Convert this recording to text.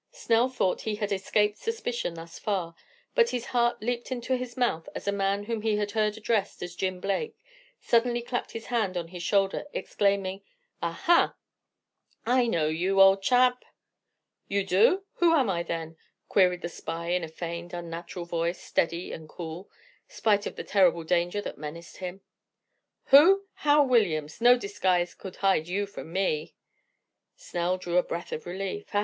Snell thought he had escaped suspicion thus far, but his heart leaped into his mouth as a man whom he had heard addressed as Jim Blake, suddenly clapped his hand on his shoulder, exclaiming, "Ah, ha, I know you, old chap!" "You do? who am I then?" queried the spy in a feigned, unnatural voice, steady and cool, spite of the terrible danger that menaced him. "Who? Hal Williams, no disguise could hide you from me." Snell drew a breath of relief. "Ha!